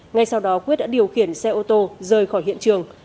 ngay sau đó quyết đã điều khiển xe ô tô rời khỏi hiện trường